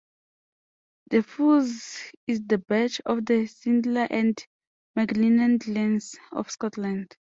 The furze is the badge of the Sinclair and MacLennan clans of Scotland.